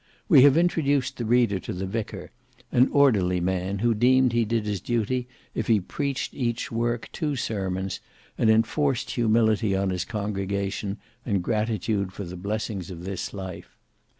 We have introduced the reader to the vicar, an orderly man who deemed he did his duty if he preached each week two sermons, and enforced humility on his congregation and gratitude for the blessings of this life.